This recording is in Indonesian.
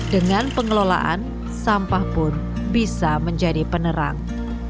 dengan pengelolaan sampah pun bisa menjadi penerang